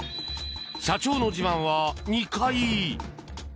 社長の自慢は２階。